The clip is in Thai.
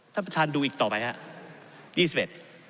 ท่านประชาญดูต่อไปฮะ๒๑